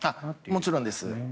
もちろんです。